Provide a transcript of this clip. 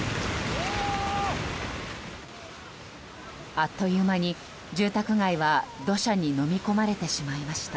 あっという間に、住宅街は土砂にのみ込まれてしまいました。